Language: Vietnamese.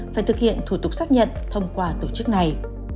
phải thực hiện thủ tục xác nhận thông qua tổ chức này